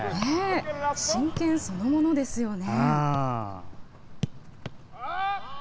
真剣そのものですよね。